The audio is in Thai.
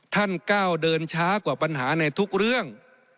ก้าวเดินช้ากว่าปัญหาในทุกเรื่อง